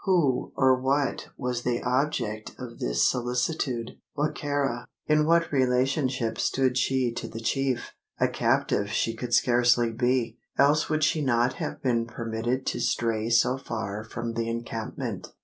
Who or what was the object of this solicitude? Wa ka ra? In what relationship stood she to the chief? A captive she could scarcely be: else would she not have been permitted to stray so far from the encampment?